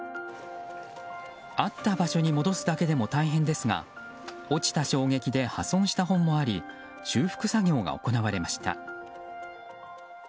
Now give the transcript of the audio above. あった場所に戻すだけでも大変ですが落ちた衝撃で破損した本もあり修復作業が行われました。